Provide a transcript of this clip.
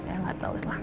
ya gak tahu